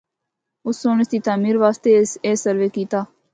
اُس سنڑ اس دی تعمیر واسطے اے سروے کیتا۔